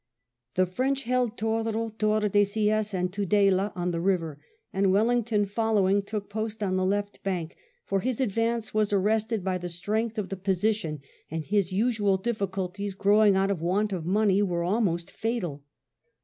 The French held Toro, Tordesillas, and Tudela on the river ; and Wellington, following, took post on the left bank, for his advance was arrested by the strength of the position, and his usual difficulties growing out of want of money were almost fatal.